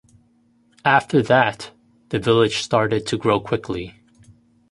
After that, the village started to grow quickly.